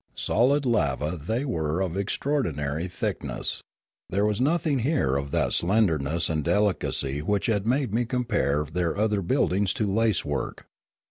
Solid lava they were of extraordinary thickness. There was nothing here of that slenderness and delicacy which had made me com pare their other buildings to lace work.